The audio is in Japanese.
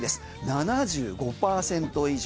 ７５％以上。